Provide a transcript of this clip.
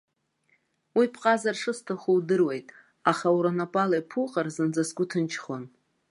Уи ԥҟазар шысҭаху удыруеит, аха уара унапала иԥуҟар зынӡа сгәы ҭынчхон.